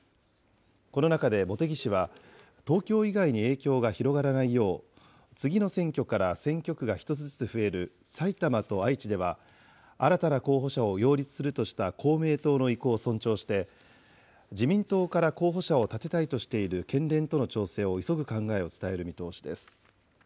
この中で茂木氏は、東京以外に影響が広がらないよう、次の選挙から選挙区が１つずつ増える埼玉と愛知では、新たな候補者を擁立するとした公明党の意向を尊重して、自民党から候補者を立てたいとしている県連との調整を急ぐ考えを伝える見通しです。